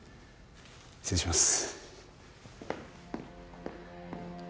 失礼します。